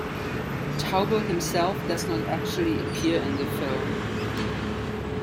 Tauber himself does not actually appear in the film.